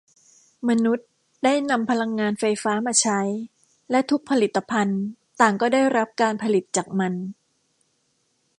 มนุษย์ได้นำพลังงานไฟฟ้ามาใช้และทุกผลิตภัณฑ์ต่างก็ได้รับการผลิตจากมัน